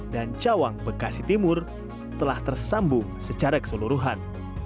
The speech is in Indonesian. dan cawang bekasi timur telah tersambung secara keseluruhan